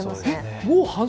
もう半袖？